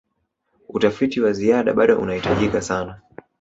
utafiti wa ziada bado unahitajika sana